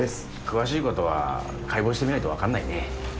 詳しいことは解剖してみないと分かんないね。